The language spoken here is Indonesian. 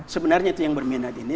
sebenarnya itu yang berminat ini